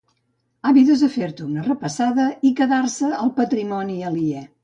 Àvides a fer-te una repassada i quedar-se el patrimoni aliè.